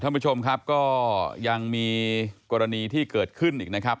ท่านผู้ชมครับก็ยังมีกรณีที่เกิดขึ้นอีกนะครับ